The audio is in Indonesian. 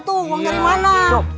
uang dari mana